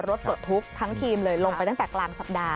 ปลดทุกข์ทั้งทีมเลยลงไปตั้งแต่กลางสัปดาห